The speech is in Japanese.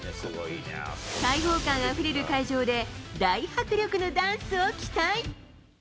開放感あふれる会場で、大迫力のダンスを期待。